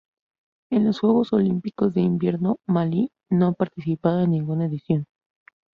En los Juegos Olímpicos de Invierno Malí no ha participado en ninguna edición.